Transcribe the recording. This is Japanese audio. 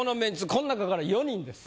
この中から４人です。